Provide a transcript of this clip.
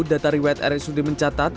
data riwayat rsud mencatat